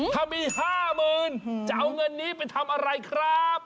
ถ้ามี๕๐๐๐จะเอาเงินนี้ไปทำอะไรครับ